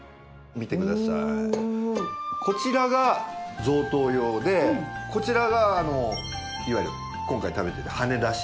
こちらが贈答用でこちらがいわゆる今回食べてたはねだし。